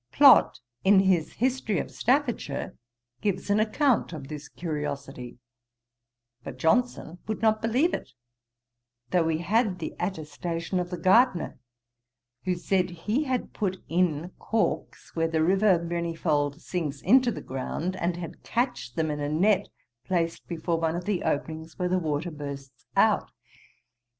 Plott, in his History of Staffordshire, gives an account of this curiosity; but Johnson would not believe it, though we had the attestation of the gardener, who said, he had put in corks, where the river Manyfold sinks into the ground, and had catched them in a net, placed before one of the openings where the water bursts out.